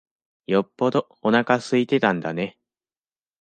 よっぽどおなか空いてたんだね。